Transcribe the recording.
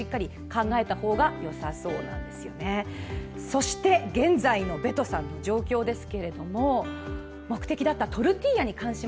そして現在のベトさんの状況です。